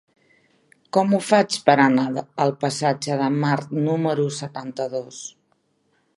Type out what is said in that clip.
Com ho faig per anar al passatge de Mart número setanta-dos?